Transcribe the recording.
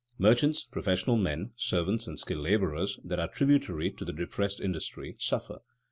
Merchants, professional men, servants, and skilled laborers that are tributary to the depressed industry, suffer.